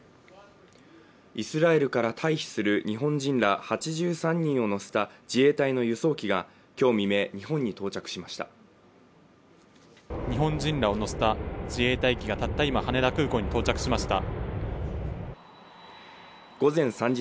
イスラエルから退避する日本人ら８３人を乗せた自衛隊の輸送機が今日未明日本に到着しました日本人らを乗せた自衛隊機がたった今羽田空港に到着しました